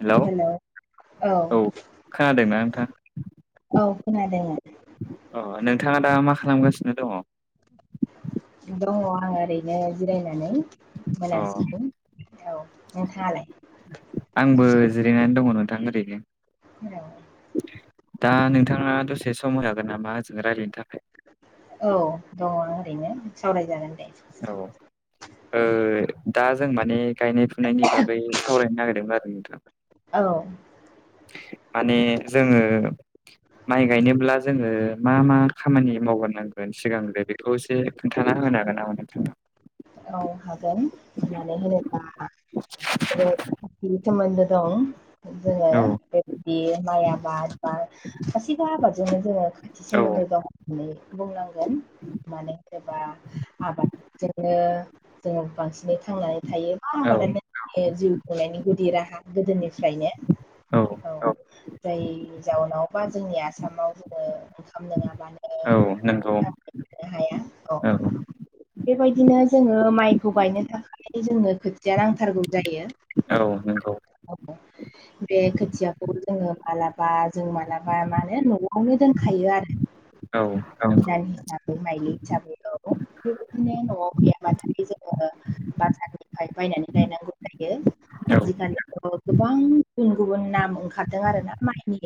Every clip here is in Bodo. हेल' हेलौ औ खोनादोंना नोंथां? औ खोनादों। अ नोंथाङा दा मा खालामगासिनो दङ? दङ आं ओरैनो जिरायनानै। अ मोनासिगोन औ नोंथाङालाय? आंबो जिरायनानै दङ नोंथां ओरैनो। हेलै दा नोंथाङा दसे सम हागोन नामा ओजों रायज्लायनो थाखाय? औ दङ ओरैनो सावरायजागोन। दे औ ओ दा जों माने गायनाय फुनायनि बागै सावरायनो नागिरदोंमोन आरो नोंथां। औ माने जोङो माइ गायनोब्ला जोङो मा मा खामानि मावग्रोनांगोन सिगांग्रो। खौ एसे खोन्थाना होनो हागोन नामा नोंथां। औ हागोन माने होनोब्ला औ बिदि सोमोनदो दं जोंओ औ बि माइ आबाद बा गासिबो आबादजोंनो जोङो खाथि औ सोमोन्दो दं होननानै बुंनांगोन। माने होनोबा आबाद बिनो जोङो बांसिनै थांनानै थायो मार औ आबादनो जिउ खुंनायनि गुदि राहा गोदोनिफ्रायनो औ जाय जाउनाव बा जोंनि आसामाव जोङो ओंखाम नङाबानो औ थानो नंगौ हाया औ बेबायदिनो जोङो माइखौ गायनो थाखाय जोङनो खोथिया नांथारगौ जायो औ नंगौ बे खोथियाखौ जोङो मालाबा जों मालाबा माने न'आवनो दोनखायो आरो औ नंगौ बिदान हिसाबै माइलि हिसाबै औ बेबायदिनो न'आव गैयाबाथाय जोङो बाजारनिफ्राय बायनानै गायनांगौ जायो औ आजिखालि औ गोबां गुबुन गुबुन नाम ओंखारदों आरो ना माइनि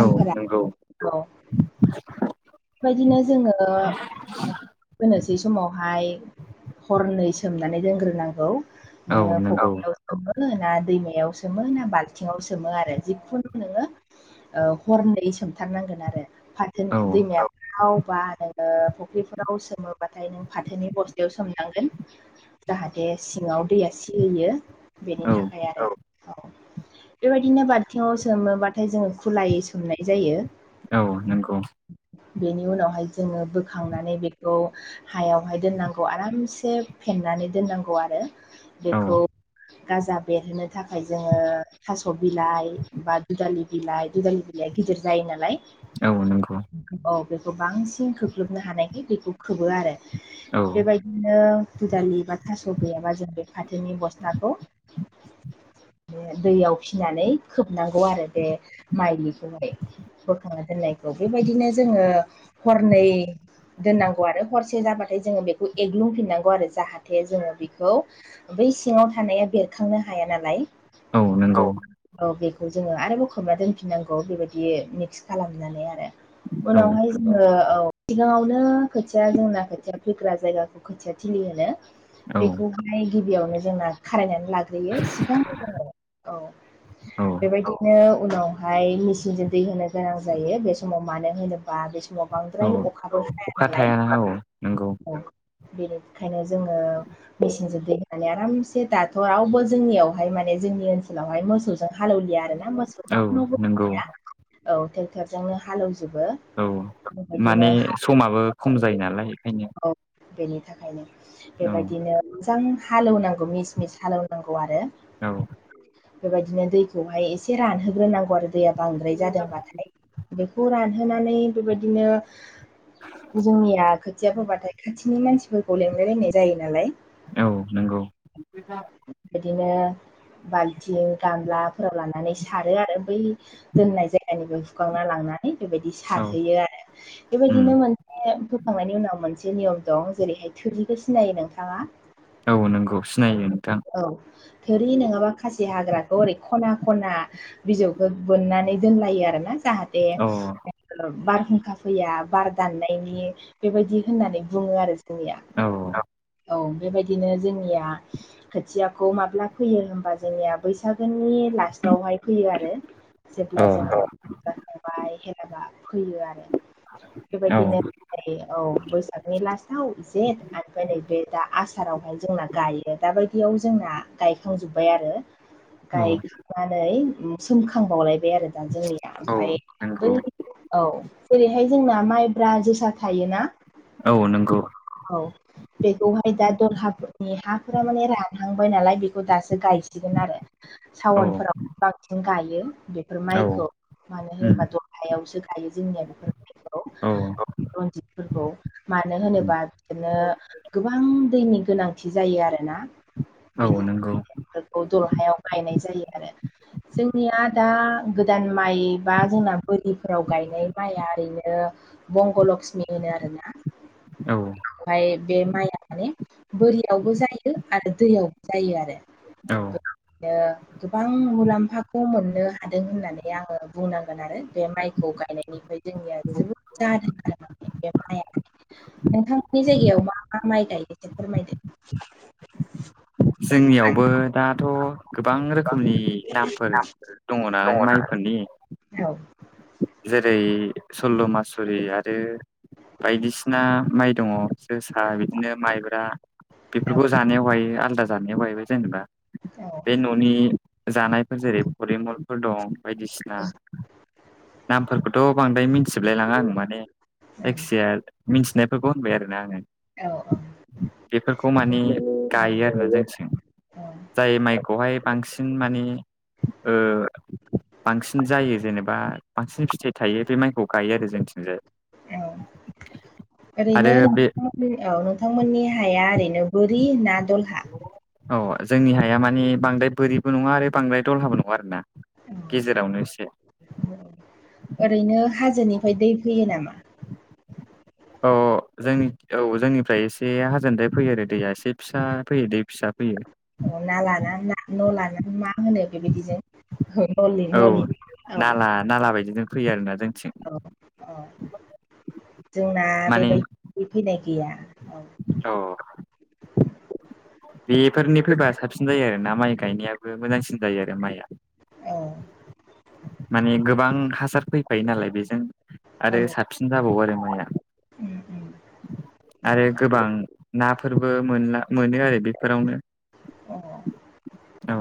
औ नंगौ औ बेबायदिनो जोङो फोनोसै समावहाय हरनै सोमनानै दोनग्रोनांगौ औ नोङो नंगौ फख्रियाव सोमो ना दैमायाव सोमो ना बाल्थिङाव सोमो आरो जिखुनु नोङो हरनै सोमथारनांगोन आरो फाथो औ दैमायाव थावबा नोङो फुख्रिफोर [unintelligible] गाव सोमोबाथाय नों फाथोनि बस्थायाव सोमनांगोन जाहाथे सिङाव दैया सिहोयो बेनि औ थाखाय आरो औ बेबायदिनो बालथिङाव सोमोबाथाय जोङो खुलायै सोमनाय‌ जायो औ नों बेनि उनावहाय जोङो बोखांनानै बे बे खौ हायावहाय दोननांगौ आरामसे फेनानै दोननांगौ आरो औ बेखौ गाजा बेरहोनो थाखाय जोङो थास' बिलाइ बा दुदालि बिलााय दुदालि बिलाया गिदिर जायो नालाय औ नंगौ औ बेखौ बांसिन खख्लोबनो हानायखाय बेखौ खोबो आरो औ बेबायदिनो दुदालि बा थास' गैयाबा जों बे फाथोनि बस्थाखौ [inaudible] दैयाव फिनानै खोबनांगौ आरो बे माइलिखौहाय बोखांना दोननायखौ बेबायदिनो जोङो हरनै दोननांगौ आरो हरसे जाबाथाय जोङो बेखौ एग्लुंफिननांगौ आरो जाहाथे जोङो बेखौ बै सिङाव थानाया बेरखांनो हाया नालाय औ नंगौ औ बेखौ जोङो आरोबाव खोबना दोनफिननांगौ बेबायदि मिक्स खालामनानै आरो औ उनावहाय नंगौ जोङो औ सिगाङावनो खोथिया जोंना खोथिया फैग्रा जायगाखौ खोथिया थिलि होनो औ बेखौहाय गिबियावनो जोंना खारायनानै लाग्रोयो सिगां जोङो औ औ बेबायदिनो उनावहाय मेचिनजों दै होनो गोनां जायो बे समाव मानो होनो बा बे समाव औ बांद्राय अखााबो हाया अखा नालाय थायाना औ नंगौ बेनिखायनो जोङो मेसिनजों दै होननानै आरामसे दाथ' रावबो जोंनियावहाय माने जोंनि ओनसोलावहाय मोसौ हालौलिया आरो ना मोसौ औ रावनावबो नंगौ गैया औ ट्रेक्टरजोंनो हालेवजोबो औ माने बेबायदिनो समाबो खम जायो नालाय बेखायनो औ बेनि थाखायनो औ बेबायदिनो मोजां हालेवनांगौ मिस मिस हालौवनांगौ आरो औ बेबायदिनो दैखौहाय एसे रानहोग्रोनांगौ आरो दैया बांद्राय जादोंबाथाय बेखौ रानहोनानै बेबायदिनो जोंनिया खोथिया फोबाथाय खाथिनि मानसिफोरखौ लेंलाय लायनाय जायो नालाय औ नंगौ। बिदिनो बाल्थिं गामलाफोराव लानानै सारो आरो बै दोननाय जायगानिफ्राय हुखांना लांनानै बेबायदि औ सारहैयो आरो उम बेबायदिनो मानि फोखांनायनि उनाव मोनसे नियम दं जेरैहाय थोरिखौ सिनायो नोंथाङा नोंगौ सिनायो नोंथां‌ औ थोरि नङाबा खासि हाग्राखौ ओरै ख'ना-ख'ना बिजौखौ बोननानै दोनलायो आरो ना जाहाथे औ बारहुंखा फैया बार दाननाय ऐ बेबायदि होननानै बुङो आरो जोंनिया। औ औ बेबायदिनो जोंनिया खोथियाखौ माब्ला फैयो होमबा जोंनिया बैसागोननि लास्टावहाय फैयो आरो। जेब्ला औ जोङो जाखांबाय हेलाबा फैयो आरो औ। बेबायदिनो औ बैसागनि लास्टाव जेठ ओमफ्राय नै बे दा आसारावहाय जोंना गायो। दाबायदियाव जोंना गायखांजोब्बाय आरो। औ गायखांनानै सोमखांबावलायबाय आरो दा जोंनिया औ ओमफाय बै नंगौ औ जेरैहाय जोंना माइब्रा, जोसा थायोना औ नंगौ औ बेखौहाय दा दलहाफोरनि हाफोरा माने रानहांबाय नालाय बेखौ दासो गायसिगोन आरो। औ सावनफोराव बांसिन गायो बेफोर औ माइखौ। मानो उम होनोबा दलहायावसो गायो जोंनिया बेफोर माइखौ औ। रनजितफोरखौ मानो उम होनोबा बिदिनो गोबां दैनि गोनांथि जायो आरोना। औ बिदि नंगौ [unintelligible] दलहायाव गायनाय जायो आरो। जोंनिया दा गोदान माइ बा जोंना बोरिफोराव गायनाय माइया ओरैनो बंग' लक्ष्मि होनो आरोना औ बेखौहाय बे माइआ माने बोरियावबो जायो आरो दैयावबो जायो आरो। औ। बिनो गोबां मुलाम्फाखौ मोननो हादों होननानै आङो बुंनांगोन आरो बे माइखौ गायनायनिफ्राय। जोंनिया जोबोद जादों। [unintelligible] नोंथांमोननि जायगायाव मा मा माइ गायदों एसे फोरमायदो। जोंनियावबो दाथ' गोबां रोखोमनि नामफोर दंङ' नालाय गोबां माइफोरनि। नामफोर जेरै सल्ल' मासुरि आरो बायदिसिना माइ दङ'। जोसा बिदिनो माइब्रा दङना बेफोरखौ जानायाव गायो आलदा जानायाव गायबाय जेनेबा औ। बे न'नि जानायफोर जेरै फरिमलफोर दं बायदिसिना नामफोरखौथ' बांद्राय मिथिजोबलायलाङा आं माने जायखिजाया मिथिनायफोरखौ होनबाय आरोना आङो औ औ औ बेफोरखौ माने गायो आरोना जोंथिं। औ जाय माइखौहाय बांसिन माने ओ बांसिन जायो जेनेबा बांसिन फिथाइ थायो बे माइखौ गायो आरो जोंथिंजाया। औ ओरैनो नोंथांनि औ नोंथांमोननि हाया ओरैनो बोरि ना दलहा। अ' जोंनि हाया मानि बांद्राय बोरिबो नङा आरो बांद्राय दलहाबो नङा आरो ना। औ गेजेरावनो एसे ओरैनो हाजोनिफ्राय दै फैयो नामा? औ जोंनि औ जोंनिफ्राय एसे हाजोनथायाय फैयो आरो दैया एसे फिसा फैयो दै फिसा फैयो नाला ना मा होनो बेबायदिजों नलि औ नलि औ नाला नाला बायदिजों फैयो आरोना जोंथिं। औ जोंना माने बेबायदि फैनाय गैया। औ औ। बेफोरनि फैबा साबसिन जायो आरोना माइ गायनायाबो मोजांसिन जायो आरो माइआ। औ माने गोबां हासार फैफायो नालाय बेजों औ आरो साबसिन जाबावो आरो माइआ उम उम आरो नंगौ गोबां नाफोरबो मोनो आरो बेफोरावनो [inaudible] औ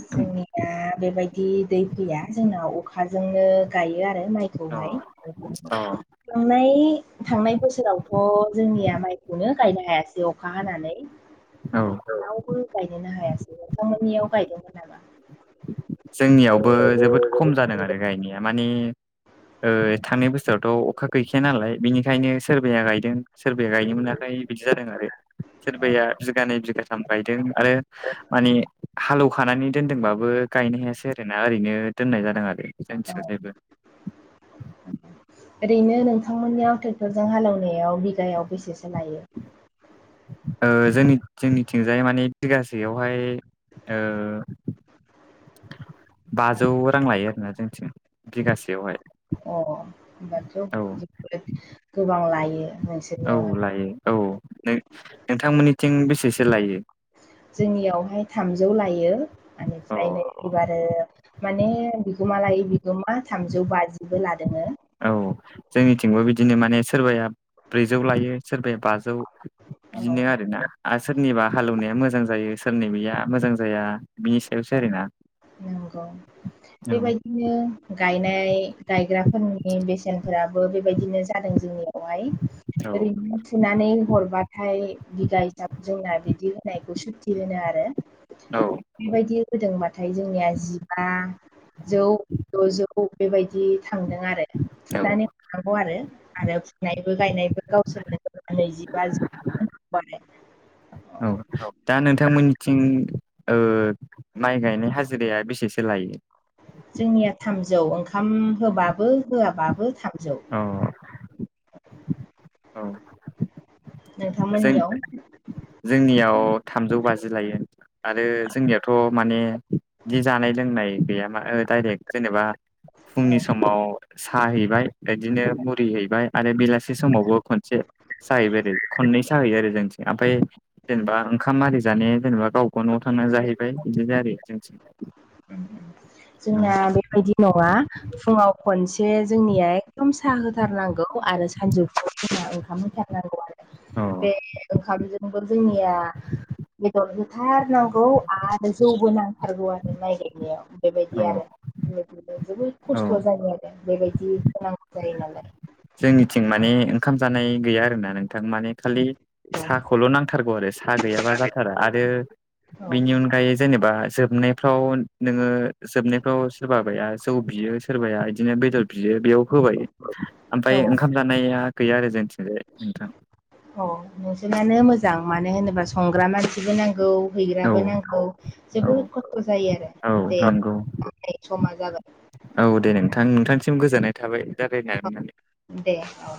जोंनि दा बेबायदि दै फैया जोंनााव अखाजोंनो गायो आरो माइखौहाय। अ'। थांनाय बोसोरावथ' जोंनिया माइखौनो गायनो हायासै अखा हानानै। [inaudible] रावबो गायनोनो हायासै। नोंथांमोननियाव गायदोंमोन नामा? जोंनियावबो जोबोद जोंनियावबो खम जादों आरो गायनाया माने थांनाय बोसोरावथ' अखा गैखाया नालाय बिनिखायनो सोरबाया गायदों सोरबाया गायनो मोनाखै बिदि जादों आरो औ सोरबाया बिगानै बिगाथाम गायदों। आरो माने हालौखानानै दोनदोंबाबो गायनो हायासै आरो ना ओरैनो दोननाय जादों आरो औ जोंनिथिंजाय बो। ओरैनो नोंथांमोननियाव ट्रेक्टरजों हालेवनायाव बिगायाव बेसेसो लायो? जों जोंनिथिंजाय माने बिगासेयावहाय बाजौ रां लायो आरोना जोंनिथिं। बिगासेयावहाय अ' होनबाथ' औ गोबां लायो। औ नोंसोरनियावहाय लायो। औ नोंथांमोननिथिं बेसेसो लायो? जोंनियावहाय थामजौ लायो अ बेनिफ्राय नै अबारो माने बिगोमा लायै बिगोमा थामजौ बाजिबो लादोंङो। औ जोंनिथिंबो बिदिनो माने सोरबाया ब्रैजौ लायो सोरबाया बाजौ औ बिदिनो आरोना आरो सोरनिबा हालेवनाया मोजां जायो सोरनिबैया मोजां जाया। बिनि सायावसो औ ओरै ना। औ बिदिनो गायनाय गायग्राफोरनि बेसेनफोराबो बेबायदिनो जादों जोंनिया। खौहाय औ ओरैनो फुनानै हरबाथाय बिगा हिसाब जोंना बिदि होनायखौ सुति होनो आरो औ बेबायदि होदोंबाथाय जोंनिया जिबा जौ द'जौ बेबायदि थांदों आरो। औ सुनानै थानांगौ आरो आरो फुनायबो गायनायबो गावसोरनो नैजिबा। [inaudible] औ दा नोंथांमोननिथिं ओ। माइ गायनाय हाजिराया बेसेसो लायो? जोंनिया थामजौ ओंखाम होबाबो होआबाबो थामजौ औ औ जों नोंथांमोननियाव जोंनियाव थामजौ बाजि लायो आरो जोंनियावथ' माने बिदि जानाय लोंनाय गैया मा ओ डायरेक्ट जेनेबा फुंनि औ समाव साहैबाय बिदिनो मुरि हैबाय आरो बेलासि समावबो खनसे सा हैबाय आरो खननै सा हैयो आरो जोंथिं ओमफ्राय जेनेबा ओंखाम आरि जानाया जेनेबा गावबा गाव न'आव थांना जाहैबाय बिदिनो आरो जोंथि जोंना बेबायदि नङा फुङाव खनसे जोंनिया एकदम साहा होथारनांगौ आरो सानजौफुआव जोंहा ओंखाम होथारनांगौ आरो बे ओंखामजों नोंगौ जोंनिया बेदर होथारनांगौ आरो जौबो नांथारगौ आरो बे माय गायनायाव बेबायदि औ आरो बिदिनो जोबोद खस्थ' औ जायो आरो बेबायदि नांगौ जायो नालाय जोंनिथिं माने ओंखाम जानाय गैया आरो ना नोंथां माने खालि साखौल' नांथारगौ आरो सा गैयाबा जाथारा आरो औ बेनि अनगायै जेनेबा जोबनाय फ्राव नोङो जोबनायफ्राव सोरबाबाया जौ बियो सोरबाया बिदिनो बेदर बियो बेयाव होबाय औ ओमफ्राय ओंखाम जानाया गैया आरो जोंथिंजाया नोंथां अ नोंसोरनानो मोजां मानो होनोब्ला संग्रा मानसिबो नांगौ औ हैग्राबो नांगौ जोबोद खस्थ' जायो आरो औ दे नंगौ समा जाबाय औ दे नोंथां नोंथांनिसिम गोजोननाय थाबाय रायलायनानै मोननानै दे औ